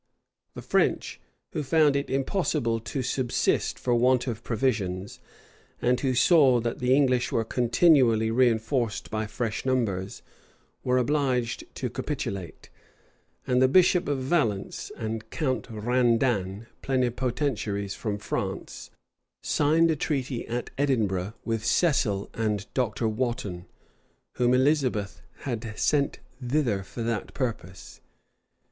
The French, who found it impossible to subsist for want of provisions, and who saw that the English were continually reënforced by fresh numbers, were obliged to capitulate; and the bishop of Valence and Count Randan, plenipotentiaries from France, signed a treaty at Edinburgh with Cecil and Dr. Wotton, whom Elizabeth had sent thither for that purpose.